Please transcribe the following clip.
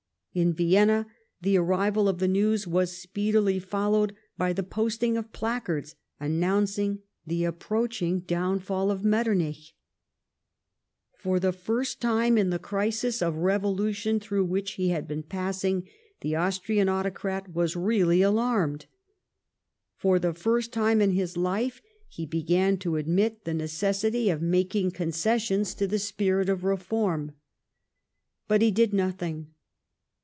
In Vienna, the arrival of the news was speedily followed by the posting of placards announcing the approaching downfall of Metternich. For the first time in the crisis of revolution through which he had been passing the Austrian autocrat was really alarmed. For the first time in his life he began to admit the necessity of making concessions to the spirit of reform. But he did nothing.